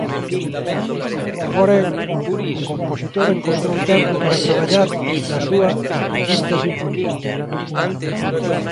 Porén o compositor encontrou tempo para traballar na súa "Quinta Sinfonía".